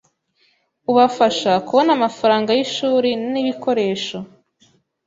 ubafasha kubona amafaranga y’ishuri n’ibikoresho.